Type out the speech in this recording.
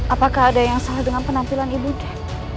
apakah ada yang salah dengan penampilan ibu ren